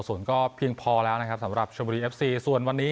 ส่วนก็เพียงพอแล้วนะครับสำหรับชมบุรีเอฟซีส่วนวันนี้